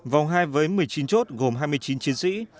vòng hai với một mươi chín chốt gồm hai mươi chín chiến sĩ